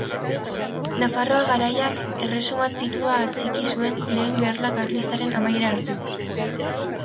Nafarroa Garaiak erresuma titulua atxiki zuen Lehen Gerla Karlistaren amaiera arte.